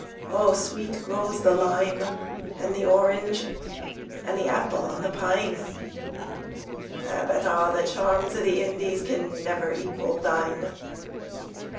O sweet grows the lime and the orange, And the apple on the pine; But a' the charms o' the IndiesCan never equal thine.